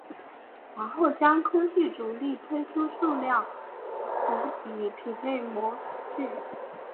然后将空气压力推出塑料以匹配模具。